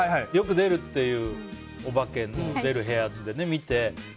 よく出るっていうお化けの出る部屋で。